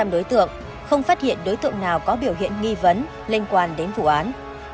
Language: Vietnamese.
để phát hiện đối tượng nào có biểu hiện nghi vấn liên quan đến vụ án